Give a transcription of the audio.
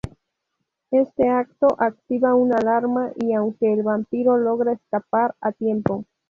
Este acto activa una alarma y aunque el vampiro logra escapar a tiempo.